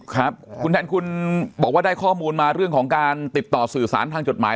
ครับคุณแทนคุณบอกว่าได้ข้อมูลมาเรื่องของการติดต่อสื่อสารทางจดหมาย